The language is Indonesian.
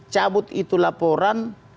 cabut itu laporan